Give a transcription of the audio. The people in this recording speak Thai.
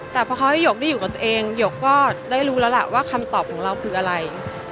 แต่พอเขาให้หยกได้อยู่กับตัวเองหยกก็ได้รู้แล้วล่ะว่าคำตอบของเราคืออะไร